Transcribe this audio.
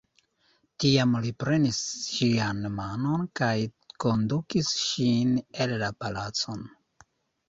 Tiam li prenis ŝian manon kaj kondukis ŝin en la palacon.